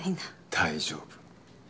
大丈夫。